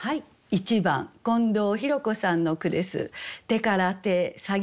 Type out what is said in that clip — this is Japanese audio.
１番近藤ひろこさんの句です。